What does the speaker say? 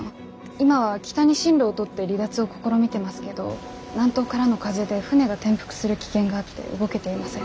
今は北に針路をとって離脱を試みてますけど南東からの風で船が転覆する危険があって動けていません。